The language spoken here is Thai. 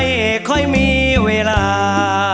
แบกธงไม่มีเวลา